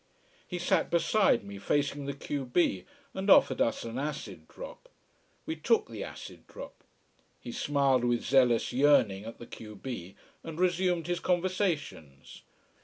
He sat beside me, facing the q b, and offered us an acid drop. We took the acid drop. He smiled with zealous yearning at the q b, and resumed his conversations.